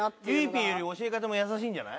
ゆいＰより教え方も優しいんじゃない？